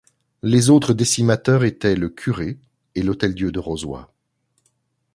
Les autres décimateurs étaient, le curé et l'Hôtel-Dieu de Rozoy.